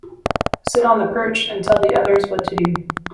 Sit on the perch and tell the others what to do.